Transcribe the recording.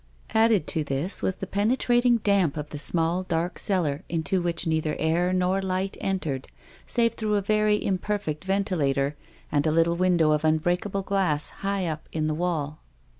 Added to this was the penetrating damp of the small, dark cellar into which neither air nor light entered, save through a very imperfect ventila tor, and a little window of unbreakable glass high up in the wall.